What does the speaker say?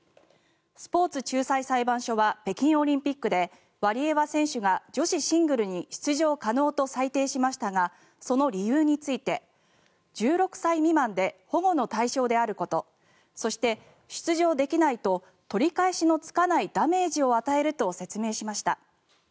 スポーツ仲裁裁判所は北京オリンピックでワリエワ選手が女子シングルに出場可能と裁定しましたがその理由について、１６歳未満で保護の対象であることそして、出場できないと取り返しのつかないダメージを与えると説明しました。